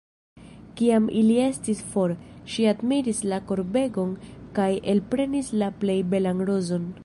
Kiam ili estis for, ŝi admiris la korbegon kaj elprenis la plej belan rozon.